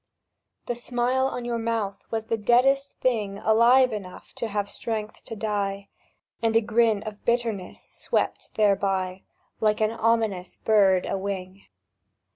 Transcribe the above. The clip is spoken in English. The smile on your mouth was the deadest thing Alive enough to have strength to die; And a grin of bitterness swept thereby Like an ominous bird a wing